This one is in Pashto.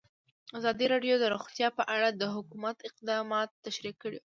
ازادي راډیو د روغتیا په اړه د حکومت اقدامات تشریح کړي.